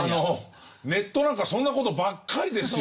ネットなんかそんなことばっかりですよ。